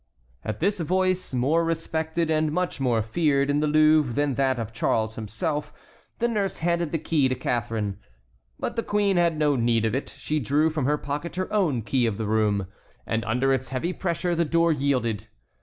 At this voice, more respected and much more feared in the Louvre than that of Charles himself, the nurse handed the key to Catharine, but the queen had no need of it. She drew from her pocket her own key of the room, and under its heavy pressure the door yielded.